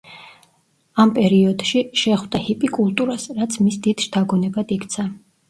ამ პერიოდში, შეხვდა ჰიპი კულტურას, რაც მის დიდ შთაგონებად იქცა.